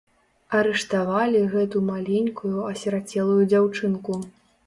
Арыштавалі гэту маленькую асірацелую дзяўчынку.